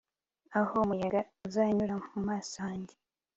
aho umuyaga uzanyura mu maso hanjye